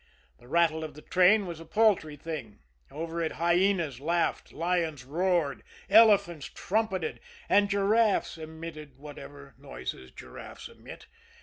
The rattle of the train was a paltry thing over it hyenas laughed, lions roared, elephants trumpeted, and giraffes emitted whatever noises giraffes emit.